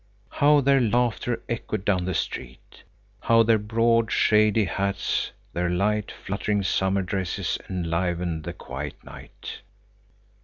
How their laughter echoed down the street! How their broad, shady hats, their light, fluttering summer dresses enlivened the quiet night.